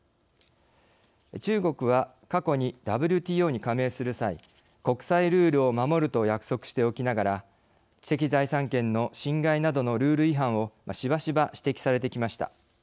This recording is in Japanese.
中国は過去にＷＴＯに加盟する際国際ルールを守ると約束しておきながら知的財産権の侵害などのルール違反をしばしば指摘されてきました。